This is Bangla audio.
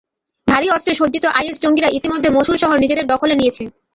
ভারী অস্ত্রে সজ্জিত আইএস জঙ্গিরা ইতিমধ্যে মসুল শহর নিজেদের দখলে নিয়েছে।